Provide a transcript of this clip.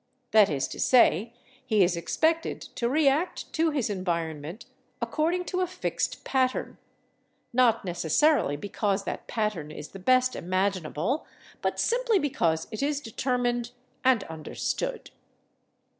That is to say, he is expected to react to his environment according to a fixed pattern, not necessarily because that pattern is the best imaginable, but simply because it is determined and understood.